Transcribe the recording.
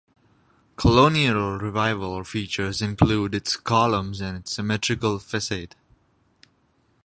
Colonial Revival features include its columns and its symmetrical facade.